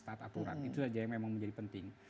taat aturan itu saja yang memang menjadi penting